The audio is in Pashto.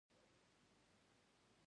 پنېر له زړو خلکو سره محبوب دی.